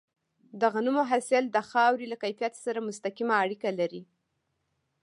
د غنمو حاصل د خاورې له کیفیت سره مستقیمه اړیکه لري.